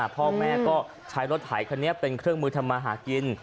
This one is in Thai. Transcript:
พ่อแม่ก็ใช้รถไถคันนี้เป็นเครื่องมือทำมาหากิน